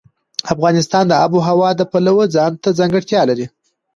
افغانستان د آب وهوا د پلوه ځانته ځانګړتیا لري.